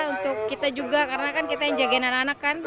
untuk kita juga karena kan kita yang jagain anak anak kan